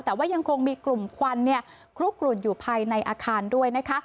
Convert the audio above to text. แต่ว่ายังคงมีกลุ่มควันคลุกกลุ่นอยู่ภายในอาคารด้วยนะคะ